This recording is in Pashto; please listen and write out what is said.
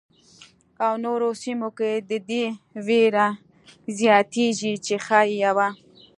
او نورو سیمو کې د دې وېره زیاتېږي چې ښايي یوه.